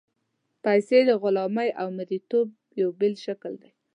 پیسې د غلامۍ او مرییتوب یو بېل شکل دی.